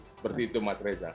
seperti itu mas reza